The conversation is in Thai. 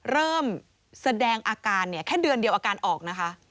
เริ่มแสดงอาการเนี่ยแค่เดือนเดียวอาการออกนะคะ